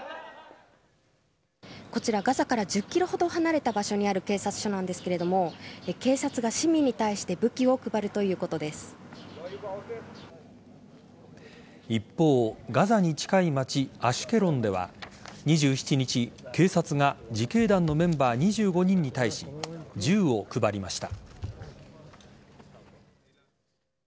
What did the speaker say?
こちらガザから１０ｋｍほど離れた場所にある警察署なんですけれども警察が市民に対して一方、ガザに近い町アシュケロンでは２７日、警察が自警団のメンバー２５人に対し銃を配りました。